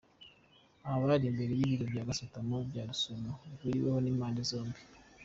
Aha bari imbere y’ibiro bya Gasutamo bya Rusumo bihuriweho n’impande zombi.